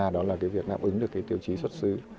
đó là việc đáp ứng được tiêu chí xuất xứ